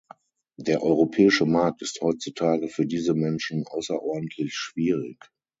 Der europäische Markt ist heutzutage für diese Menschen außerordentlich schwierig.